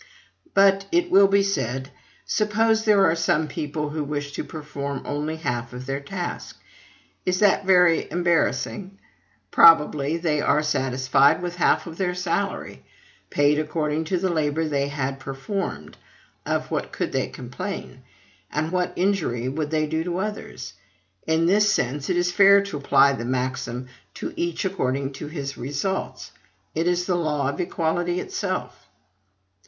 "But," it will be said, "suppose there are some people who wish to perform only half of their task?"... Is that very embarrassing? Probably they are satisfied with half of their salary. Paid according to the labor that they had performed, of what could they complain? and what injury would they do to others? In this sense, it is fair to apply the maxim, TO EACH ACCORDING TO HIS RESULTS. It is the law of equality itself.